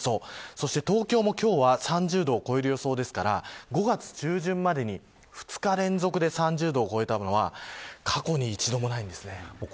そして東京も今日は、３０度を超える予想ですから５月中旬までに２日連続で３０度を超えたのは過去に一度もないんです。